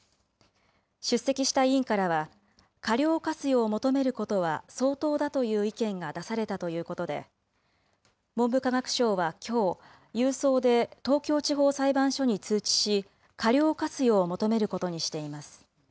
出席した委員からは、過料を科すよう求めることは相当だという意見が出されたということで、文部科学省はきょう、郵送で東京地方裁判所に通知し、過料を科すよう求めることにしています。